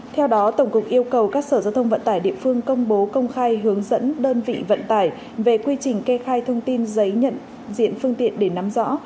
theo đó tổng cục yêu cầu các sở giao thông vận tải địa phương công bố công khai hướng dẫn đơn vị vận tải về quy trình kê khai thông tin giấy nhận diện phương tiện để nắm rõ